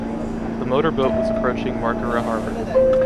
The motorboat was approaching Marghera harbor.